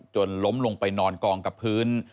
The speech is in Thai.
ล้มลงไปนอนกองกับพื้น